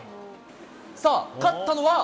さあ、勝ったのは？